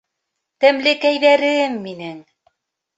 Тәмлекәйҙәрем минең